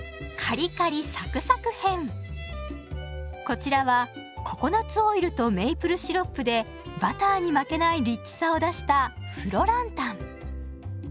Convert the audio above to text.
こちらはココナツオイルとメイプルシロップでバターに負けないリッチさを出したフロランタン。